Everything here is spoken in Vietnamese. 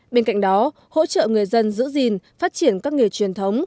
bên cạnh đó hỗ trợ người dân giữ gìn phát triển các nghề truyền thống